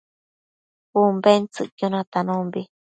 Umbentsëcquio natanombi